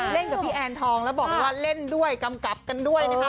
กับพี่แอนทองแล้วบอกเลยว่าเล่นด้วยกำกับกันด้วยนะคะ